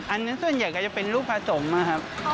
อันนั้นส่วนใหญ่ก็จะเป็นลูกผสมนะครับ